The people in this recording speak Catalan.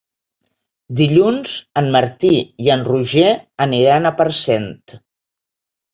Dilluns en Martí i en Roger aniran a Parcent.